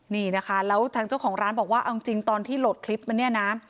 นี่นะคะแล้วทางเจ้าของร้านบอกว่าเอาจริงตอนที่โหลดคลิปมาเนี่ยนะ